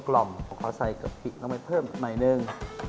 ขอใส่กะผิกลงไปเพิ่มหน่อยนึง